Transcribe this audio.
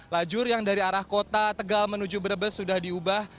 lajur yang dari arah kota tegal menuju brebes sudah diubah